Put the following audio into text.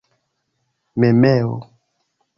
memeo